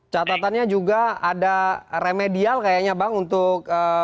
catatannya juga ada remedial kayaknya bang untuk